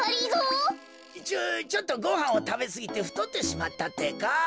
ちょっとごはんをたべすぎてふとってしまったってか。